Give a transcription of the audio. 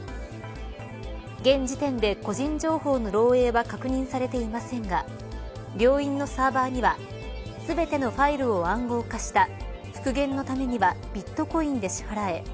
現時点で個人情報の漏えいは確認されていませんが病院のサーバーには全てのファイルを暗号化した復元のためにはビットコインで支払え。